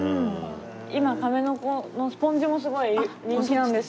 今亀の子のスポンジもすごい人気なんですよね。